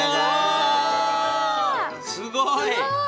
おすごい！